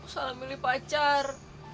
salah milih pacar